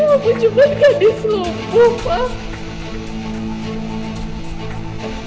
aku cuma gadis lumpuh